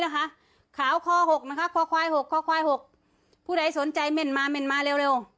ขาวคอหกนะคะคอควายหกคอควายหกผู้ใดสนใจแหม่นมาแหม่นมาละ